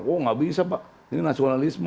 wah gak bisa pak ini nasionalisme